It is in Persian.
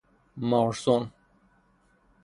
مارثون